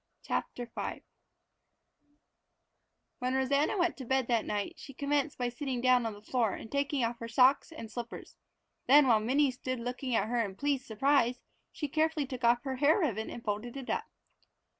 CHAPTER V When Rosanna went to bed that night she commenced by sitting down on the floor and taking off her own socks and slippers. Then while Minnie stood looking at her in pleased surprise, she carefully took off her hair ribbon and folded it up!